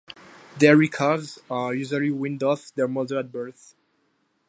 Dairy calves are usually weaned off their mother at birth.